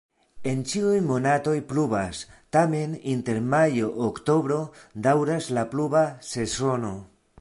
En ĉiuj monatoj pluvas, tamen inter majo-oktobro daŭras la pluva sezono.